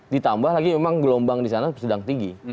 ditambah lagi memang gelombang di sana sedang tinggi